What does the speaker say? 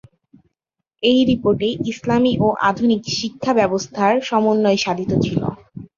এই রিপোর্টে ইসলামি ও আধুনিক শিক্ষা ব্যবস্থার সমন্বয় সাধিত ছিলো।